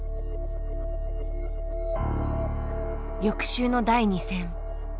翌週の第２戦。